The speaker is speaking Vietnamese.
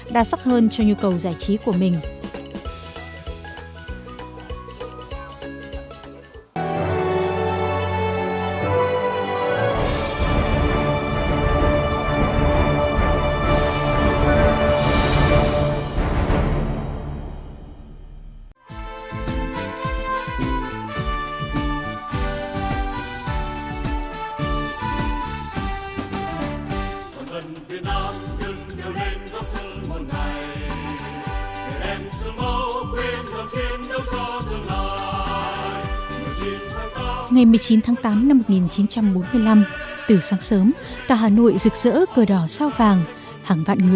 đa sắc hơn cho nhu cầu giải trí của mình